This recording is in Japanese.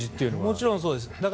もちろんそうです。